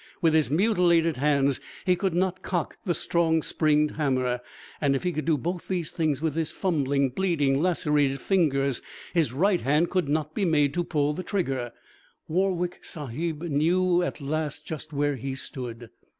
With his mutilated hands he could not cock the strong springed hammer. And if he could do both these things with his fumbling, bleeding, lacerated fingers, his right hand could not be made to pull the trigger. Warwick Sahib knew at last just where he stood.